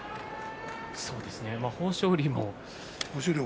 そうですね、豊昇龍は。